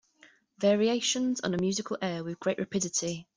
Variations on a musical air With great rapidity.